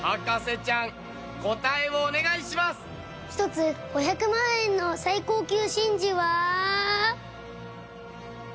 １つ５００万円の最高級真珠は。